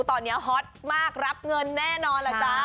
ตอนนี้ฮอตมากรับเงินแน่นอนล่ะจ๊ะ